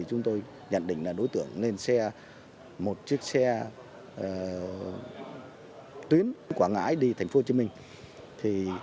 chúng tôi nhận định là đối tượng lên xe một chiếc xe tuyến quảng ngãi đi thành phố hồ chí minh